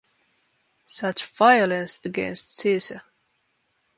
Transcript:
Such violence against Caesar!